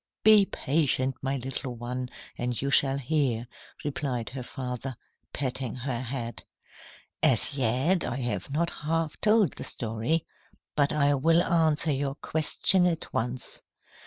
"Be patient, my little one, and you shall hear," replied her father, patting her head. "As yet, I have not half told the story. But I will answer your question at once.